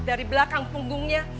dari belakang punggungnya